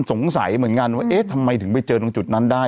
สงสัยเหมือนกันว่าเอ๊ะทำไมถึงไปเจอตรงจุดนั้นได้